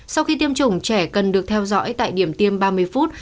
sau khi tiêm chủng trẻ cần được theo dõi tại điểm tiêm ba mươi phút